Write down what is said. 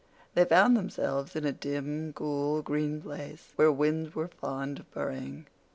They found themselves in a dim, cool, green place where winds were fond of purring.